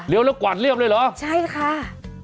แล้วกวาดเรียบเลยเหรอใช่ค่ะ